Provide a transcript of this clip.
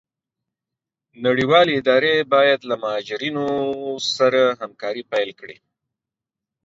نړيوالي اداري بايد له مهاجرينو سره همکاري پيل کړي.